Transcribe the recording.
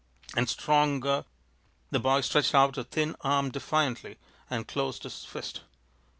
"And stronger " The boy stretched out a thin arm defiantly, and closed his fist.